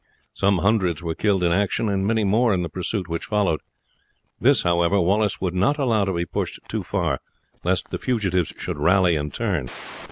Some hundreds were killed in action, and many more in the pursuit which followed; this, however, Wallace would not allow to be pushed too far lest the fugitives should rally and turn.